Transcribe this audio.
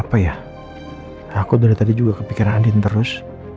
apa ya aku dari tadi juga kepikiran adin terus